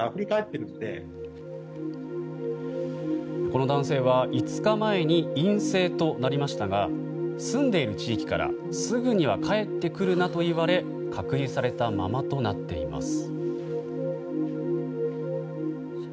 この男性は５日前に陰性となりましたが住んでいる地域からすぐには帰ってくるなと言われ隔離されたままとなっています。